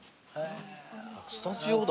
スタジオだ。